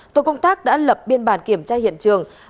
tổ công tác đã lập biên bản kiểm tra hiện trường